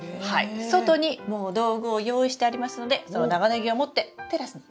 外にもう道具を用意してありますのでその長ネギを持ってテラスに行きましょう。